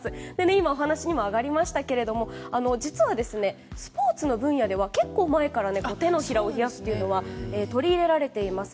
今、お話にも挙がりましたが実は、スポーツの分野では結構前から手のひらを冷やすことは取り入れられています。